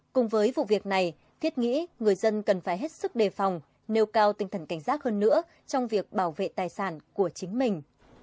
cùng với vụ việc này thiết nghĩ người dân cần phải hết sức đề phòng nêu cao tinh thần cảnh giác hơn nữa trong việc bảo vệ tài sản của chính mình